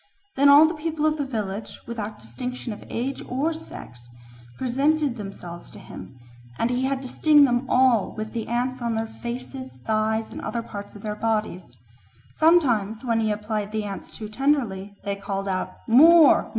Then all the people of the village, without distinction of age or sex, presented themselves to him, and he had to sting them all with the ants on their faces, thighs, and other parts of their bodies. Sometimes, when he applied the ants too tenderly, they called out "More!